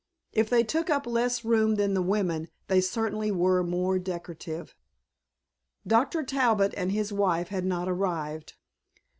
If they took up less room than the women they certainly were more decorative. Dr. Talbot and his wife had not arrived.